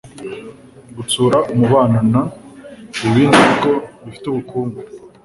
gutsura umubano n ibindi bigo bifite ubukungu